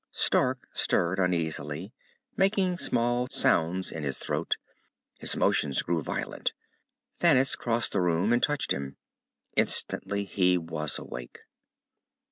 Stark stirred uneasily, making small sounds in his throat. His motions grew violent. Thanis crossed the room and touched him. Instantly he was awake.